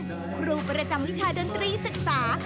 ครูประจำวิชาดนตรีศึกษา